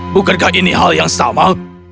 bukankah ini hal yang sama